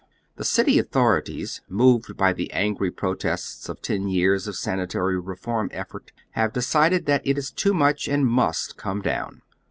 The city authorities, moved by the angi'y pi otests of ten years of sanitary reform effort, have decided that it is too much and must come down.